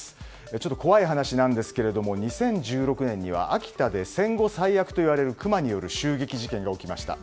ちょっと怖い話なんですけども２０１６年には秋田で戦後最悪と言われるクマによる襲撃事件が起きました。